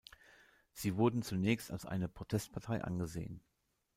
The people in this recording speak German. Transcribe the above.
Sie wurden zunächst als eine Protestpartei angesehen.